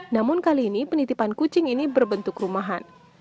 namun kali ini penitipan kucing ini berbentuk rumahan